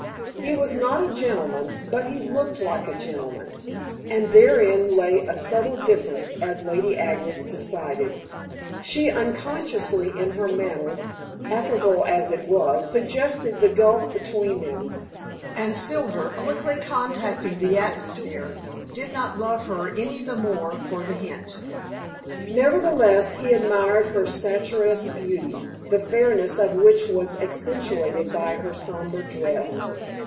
He was not a gentleman, but he looked like a gentleman, and therein lay a subtle difference as Lady Agnes decided. She unconsciously in her manner, affable as it was, suggested the gulf between them, and Silver, quickly contacting the atmosphere, did not love her any the more for the hint. Nevertheless, he admired her statuesque beauty, the fairness of which was accentuated by her sombre dress.